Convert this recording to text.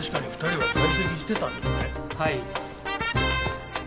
はい。